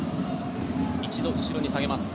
一度後ろに下げます。